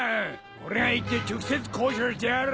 俺が行って直接交渉してやる！